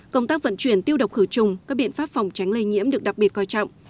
công tác vận chuyển tiêu độc khử trùng các biện pháp phòng tránh lây nhiễm được đặc biệt coi trọng